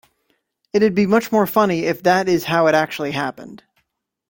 It'd be much more funny if that is how it actually happened.